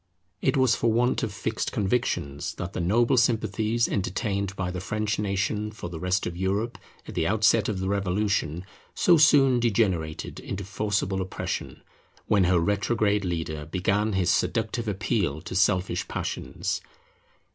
It was for want of fixed convictions that the noble sympathies entertained by the French nation for the rest of Europe at the outset of the Revolution so soon degenerated into forcible oppression, when her retrograde leader began his seductive appeal to selfish passions.